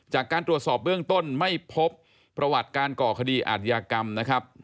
จากการตรวจสอบเบื้องต้นไม่พบประวัติการก่อคดีอาทยากรรมนะครับ